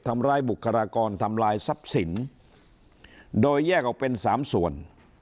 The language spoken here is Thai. ทำร้ายบุคลากรทำลายทรัพย์สินโดยแยกออกเป็นสามส่วน